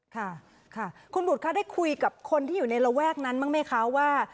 ค่ะค่ะคุณบุตรคะได้คุยกับคนที่อยู่ในระแวกนั้นบ้างไหมคะว่า